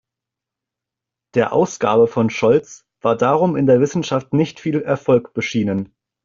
Der Ausgabe von Scholz war darum in der Wissenschaft nicht viel Erfolg beschienen.